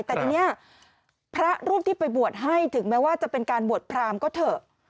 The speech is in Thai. แต่พระรูปที่ไปบวชให้ถึงจะเป็นบวชก็เถอะ